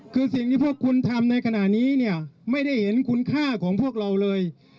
คือสิ่งที่พวกคุณทำในขณะนี้เนี่ยไม่ได้เห็นคุณค่าของพวกเราเลย